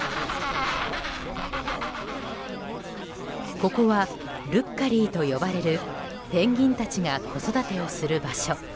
ここはルッカリーと呼ばれるペンギンたちが子育てをする場所。